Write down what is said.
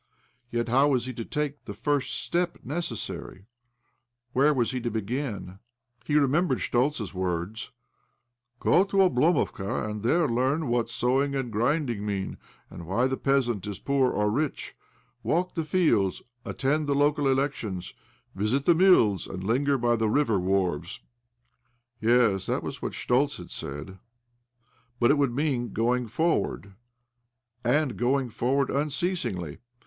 Yet how was he to take the first step necessary ? Where was he to begin ?, He remembered Schtoltz's words :' Go to Oblomovka, and there learn what sowing and ' The disease of Oblomovka. See later. OBLOMOV i6i grinding mean, and wby, the peasant is poor or rich. Walk the fields, attend the local elections, visit the mills, and linget by the river wharves." kYes, that was what Schtoltz had said. But it would mean going forward, and going forward unceasingly.